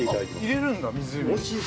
◆入れるんだ、湖に。